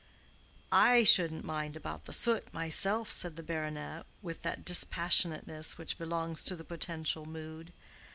"I shouldn't mind about the soot myself," said the baronet, with that dispassionateness which belongs to the potential mood.